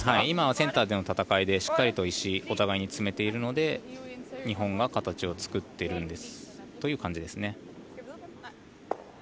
今はセンターでの戦いでしっかりと石をお互いに詰めているので日本が形を作っているという感じですね。